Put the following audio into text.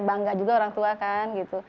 bangga juga orang tua kan gitu